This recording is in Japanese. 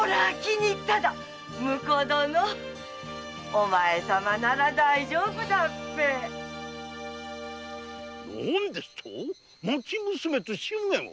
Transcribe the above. お前様なら大丈夫だっぺ何ですと町娘と祝言を？